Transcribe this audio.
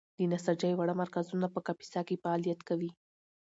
د نساجۍ واړه مرکزونه په کاپیسا کې فعالیت کوي.